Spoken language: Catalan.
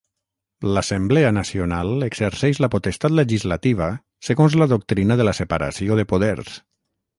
L'Assemblea Nacional exerceix la potestat legislativa segons la doctrina de la separació de poders.